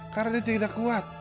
karena dia tidak kuat